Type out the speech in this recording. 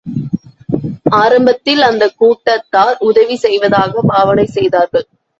ஆரம்பத்தில் அந்தக் கூட்டத்தார் உதவி செய்வதாகப் பாவனை செய்தார்கள்.